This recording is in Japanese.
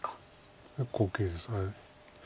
結構大きいです。